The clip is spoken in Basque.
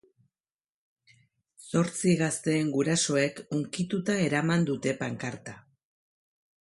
Zortzi gazteen gurasoek hunkituta eraman dute pankarta.